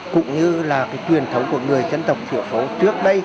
cũng như là cái truyền thống của người dân tộc thủy phố trước đây